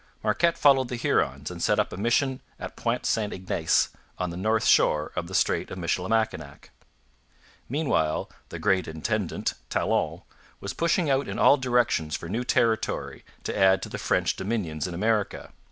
Marquette followed the Hurons, and set up a mission at Point St Ignace, on the north shore of the strait of Michilimackinac. Meanwhile 'the great intendant,' Talon, was pushing out in all directions for new territory to add to the French dominions in America.